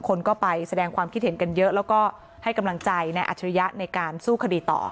คนก็ไปแสดงความคิดเห็นกันเยอะแล้วก็ให้กำลังใจนายอัจฉริยะในการสู้คดีต่อ